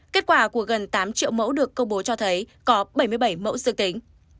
kết quả của gần tám triệu mẫu được công bố cho thấy có bảy mươi bảy mẫu dương tính